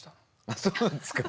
あそうなんですか？